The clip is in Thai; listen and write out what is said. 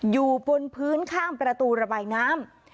อยู่บนพื้นข้างประตูระบายน้ำ